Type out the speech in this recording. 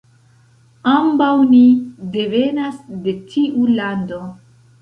Ambaŭ ni devenas de tiu lando.